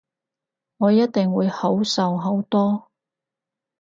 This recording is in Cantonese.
我一定會好受好多